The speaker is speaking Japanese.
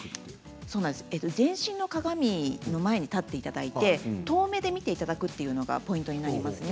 全身の鏡の前に立っていただいて遠目で見ていただくというのがポイントになりますね。